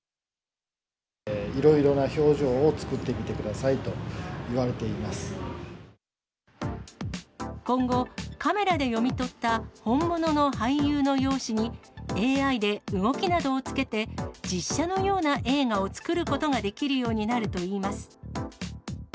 いろいろな表情を作ってみて今後、カメラで読み取った本物の俳優の容姿に、ＡＩで動きなどをつけて、実写のような映画を作ることができるようになるといいます。